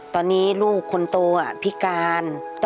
ตอนนี้ลูกคนโตพิการ